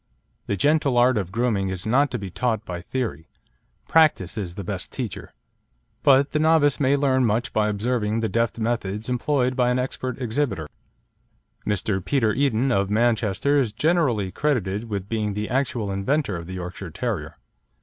The gentle art of grooming is not to be taught by theory. Practice is the best teacher. But the novice may learn much by observing the deft methods employed by an expert exhibitor. Mr. Peter Eden, of Manchester, is generally credited with being the actual inventor of the Yorkshire Terrier.